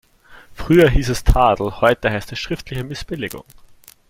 Früher hieß es Tadel, heute heißt es schriftliche Missbilligung.